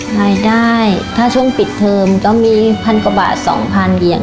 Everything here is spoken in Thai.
รายได้ถ้าช่วงปิดเทอมก็มีพันกว่าบาท๒๐๐อย่าง